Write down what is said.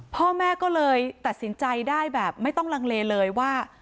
พ่อแม่ก็เลยตัดสินใจได้แบบไม่ต้องลังเลเลยว่า